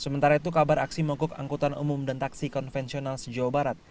sementara itu kabar aksi mogok angkutan umum dan taksi konvensional sejauh barat